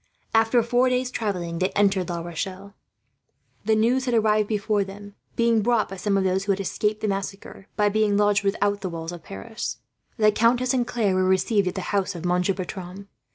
After four days' travelling, they entered La Rochelle. The news had arrived before them, being brought by some of those who had escaped the massacre, by being lodged without the walls of Paris. The countess and Claire were received at the house of Monsieur Bertram.